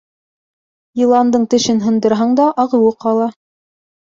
Йыландың тешен һындырһаң да, ағыуы ҡала.